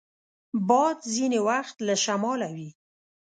باد ځینې وخت له شماله وي